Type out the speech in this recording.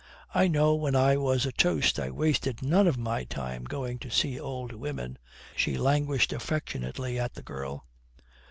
I know when I was a toast I wasted none of my time going to see old women," she languished affectionately at the girl.